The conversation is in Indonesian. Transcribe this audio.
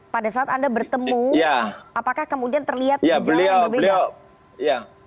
pada saat anda bertemu apakah kemudian terlihat gejala yang berbeda